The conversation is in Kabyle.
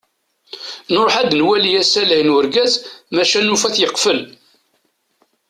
Nruḥ ad nwali asalay n urgaz, maca nufa-t yeqfel.